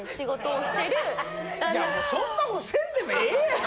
いやもうそんな事せんでもええやん。